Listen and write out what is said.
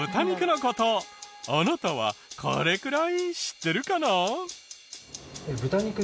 あなたはこれくらい知ってるかな？